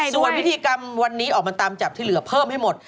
ส่วนพิธีกรรมวันนี้ออกมาตามจับที่เหลือเพิ่มให้หมด